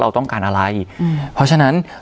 เราต้องการอะไรอืมเพราะฉะนั้น